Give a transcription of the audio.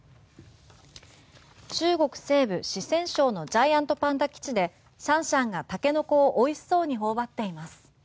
中国西部・四川省のジャイアントパンダ基地でシャンシャンがタケノコを美味しそうにほおばっています。